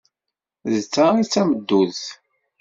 D ta ay d tameddurt!